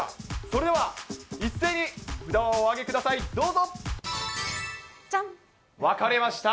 それでは一斉に札をお上げください、どうぞ。分かれました。